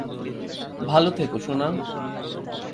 ভালো থেকো, সোনা।